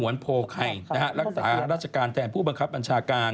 ทํ่ะรักษารัชการแทนผู้บังคับอัญชาการ